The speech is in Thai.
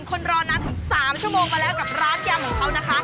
คนรอนานถึง๓ชั่วโมงมาแล้วกับร้านยำของเขานะคะ